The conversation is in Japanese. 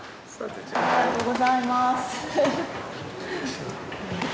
おはようございます。